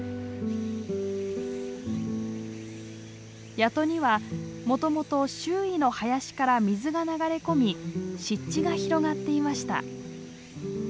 谷戸にはもともと周囲の林から水が流れ込み湿地が広がっていました。